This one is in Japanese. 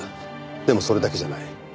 でもそれだけじゃない。